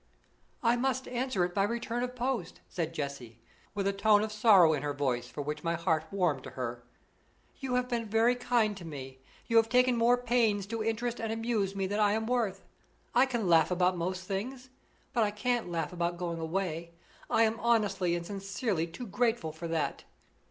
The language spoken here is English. "I must answer it by return of post," said Jessie, with a tone of sorrow in her voice for which my heart warmed to her. "You have been very kind to me; you have taken more pains to interest and amuse me than I am worth. I can laugh about most things, but I can't laugh about going away. I am honestly and sincerely too grateful for that."